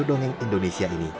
mendongeng indonesia ini